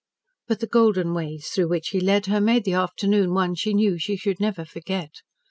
But the golden ways through which he led her made the afternoon one she knew she should never forget.